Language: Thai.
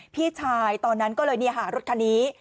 พี่ชายตอนนั้นก็เลยเนี่ยหารถคณี